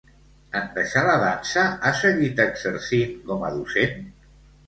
En deixar la dansa, ha seguit exercint com a docent?